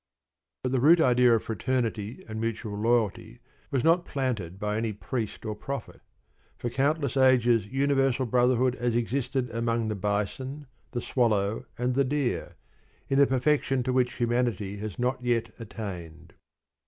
But the root idea of fraternity and mutual loyalty was not planted by any priest or prophet. For countless ages universal brotherhood has existed among the bison, the swallow, and the deer, in a perfection to which humanity has not yet attained.